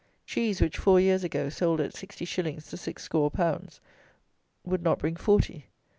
Cheese, which four years ago sold at sixty shillings the six score pounds, would not bring forty.